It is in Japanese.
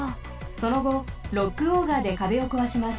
そのごロックオーガーでかべをこわします。